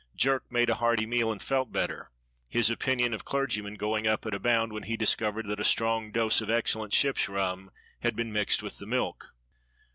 Jerk made a hearty meal and felt better, his opinion of clergymen going up at a bound when he discovered that a strong dose of excellent ship's rum had been mixed with the milk.